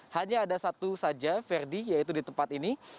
hanya ada satu saja ferdi yaitu di tempat ini